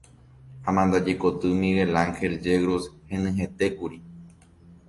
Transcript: Amandajekoty “Miguel Angel Yegros” henyhẽtékuri.